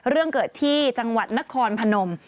เรื่องเกิดที่จังหวัดนครพนม